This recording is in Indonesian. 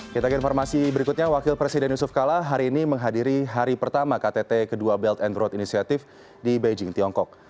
kita ke informasi berikutnya wakil presiden yusuf kala hari ini menghadiri hari pertama ktt kedua belt and road initiative di beijing tiongkok